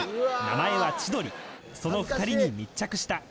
「名前は千鳥その２人に密着した」